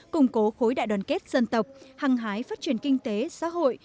củng cố khối đại đoàn kết dân tộc hăng hái phát triển kinh tế xã hội